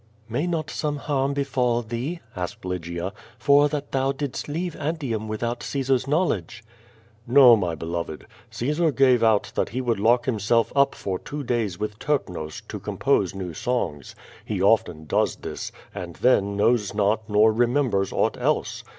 May not some harm befall thee,'' asked Lygia, "for that thou didst leave Antium without Caesiir's knowledge?" "Xo, my beloved. Caesar gave out that he woukl lock him self up for two days with Terpnos, to compose new songs. He often does this, and then knows not nor remembers aught else.